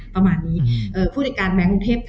ประมาณนี้ผู้จัดการแบงค์กรุงเทพ